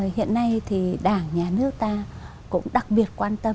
hiện nay thì đảng nhà nước ta cũng đặc biệt quan tâm